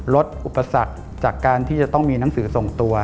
อุปสรรคจากการที่จะต้องมีหนังสือส่งตัว